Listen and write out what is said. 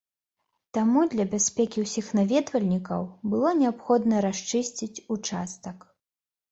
Таму для бяспекі ўсіх наведвальнікаў было неабходна расчысціць ўчастак.